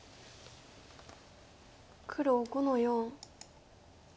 黒５の四。